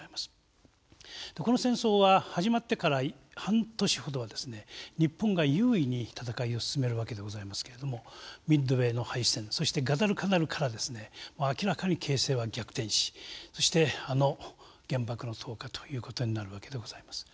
この戦争は始まってから半年ほどは日本が優位に戦いを進める訳でございますけれどもミッドウェーの敗戦そしてガダルカナルから明らかに形勢は逆転しそしてあの原爆の投下という事になる訳でございます。